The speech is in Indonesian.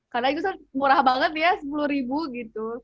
karena itu kan murah banget ya sepuluh gitu